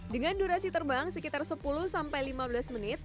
dengan durasi terbang sekitar sepuluh sampai lima belas menit